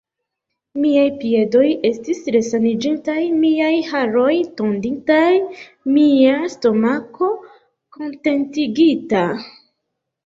Miaj piedoj estis resaniĝintaj, miaj haroj tonditaj, mia stomako kontentigita.